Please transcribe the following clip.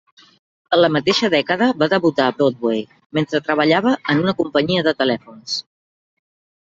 En la mateixa dècada va debutar a Broadway mentre treballava en una companyia de telèfons.